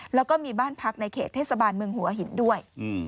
แล้วก็มีบ้านพักในเขตเทศบาลเมืองหัวหินด้วย